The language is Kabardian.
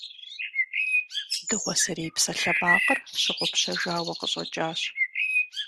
Дыгъуасэрей псалъэмакъыр щыгъупщэжауэ къыщӏэкӏащ.